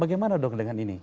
bagaimana dong dengan ini